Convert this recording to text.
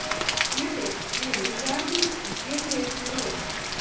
Pietiek tik vienu izārdīt un piegrieztne rokā.